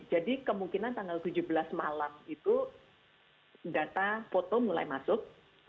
jadi kemungkinan tanggal tujuh belas malam itu data foto mulai masuk